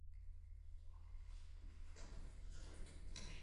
Marie, Ontario hired Cherokee Disposal to dispose of the city's waste.